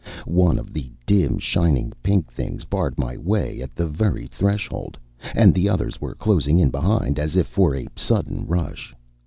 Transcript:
One of the dim shining pink things barred my way at the very threshold, and the others were closing in behind, as if for a sudden rush.